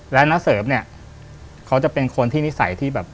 และน้าเสริมเนี่ยเขาจะเป็นคนที่นิสัยที่แบบ